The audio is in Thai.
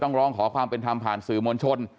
ร้องขอความเป็นธรรมผ่านสื่อมวลชน